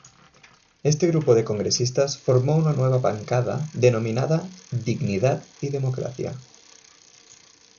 Este grupo de congresistas formó una nueva bancada denominada "Dignidad y Democracia".